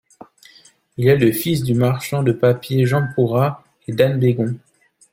Il est le fils du marchand de papier Jean Pourrat, et d'Anne Begon.